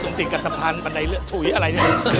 ติดกับสะพานบันไดเลือดฉุยอะไรเนี่ย